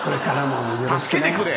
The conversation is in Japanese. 助けてくれ。